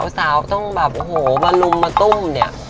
สาวต้องแบบโอ้โหมาลุมมาตุ้มเนี่ย